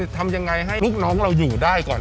ทำยังไงให้ลูกน้องเราอยู่ได้ก่อน